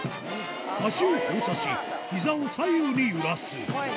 足を交差し、ひざを左右に揺らす。